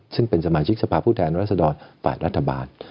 ซึ่งเป็นสมาชิกสภาพผู้แทนรัศดรฝ่ายรัฐบาล